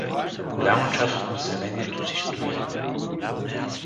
Голяма част от населението си стои.